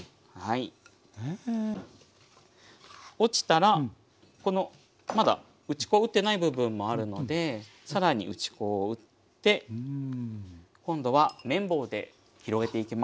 落ちたらこのまだ打ち粉を打ってない部分もあるので更に打ち粉を打って今度は麺棒で広げていきます。